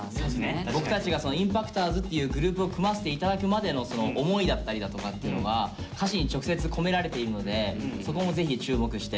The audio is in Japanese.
僕たちがＩＭＰＡＣＴｏｒｓっていうグループを組ませて頂くまでのその思いだったりだとかっていうのが歌詞に直接込められているのでそこもぜひ注目して。